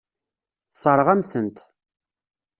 Tessṛeɣ-am-tent.